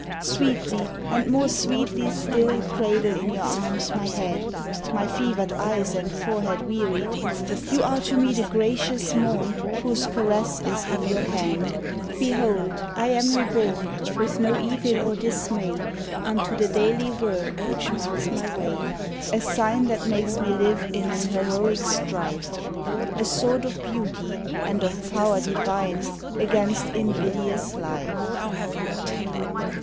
Sweetly and more sweetly still Cradle in your arms my head, My fevered eyes and forehead wearied; You are to me the gracious morn Whose caress is in your hand: Behold, I am reborn, With no evil or dismay, Unto the daily work which marks my way, A sign That makes me live in an heroic strife, A sword of beauty and of power divine Against invidious life.